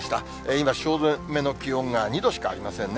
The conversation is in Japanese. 今、汐留の気温が２度しかありませんね。